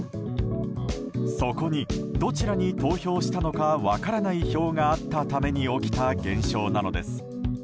そこに、どちらに投票したのか分からない票があったために起きた現象なのです。